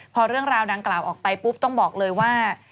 พอเรื่องราวดังกล่าวออกไปปุ๊บต้องบอกเลยว่า